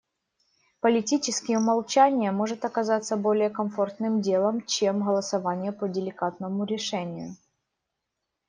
Политически умолчание может оказаться более комфортным делом, чем голосование по деликатному решению.